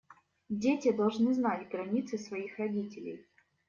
Дети должны знать границы своих родителей.